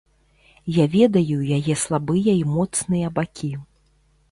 Я ведаю яе слабыя і моцныя бакі.